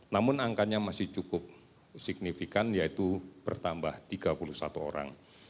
namun angkanya masih cukup signifikan yaitu bertambah tiga puluh satu orang